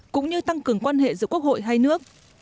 cũng như tăng cường quan hệ giữa quốc hội hai nước